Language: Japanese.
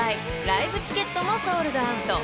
ライブチケットもソールドアウト］